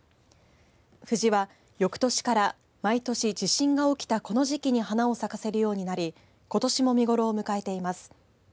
ふじは、よくとしから毎年地震が起きたこの時期に花を咲かせるようになりことしも見頃を迎えています。